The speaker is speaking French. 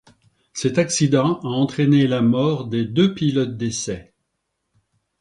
Cet accident a entraîné la mort des deux pilotes d'essais.